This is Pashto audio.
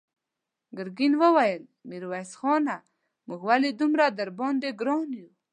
ګرګين وويل: ميرويس خانه! موږ ولې دومره درباندې ګران يو؟